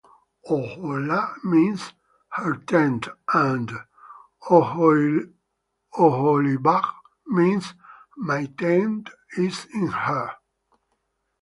"Oholah" means "her tent", and "Oholibah" means "my tent is in her".